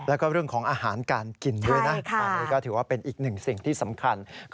แล้วก็เรื่องของอาหารการกินด้วยนะอันนี้ก็ถือว่าเป็นอีกหนึ่งสิ่งที่สำคัญ